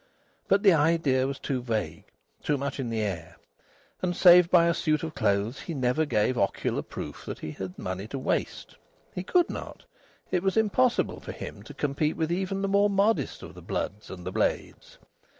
But the idea was too vague, too much in the air. And save by a suit of clothes, he never gave ocular proof that he had money to waste. He could not. It was impossible for him to compete with even the more modest of the bloods and the blades.